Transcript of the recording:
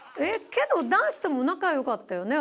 けど男子とも仲良かったよね？